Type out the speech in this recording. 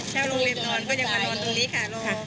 เช่าโรงเรียนนอนก็ยังมานอนตรงนี้ค่ะ